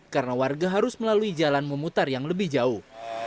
karena warga harus melalui jalan memutar yang lebih jauh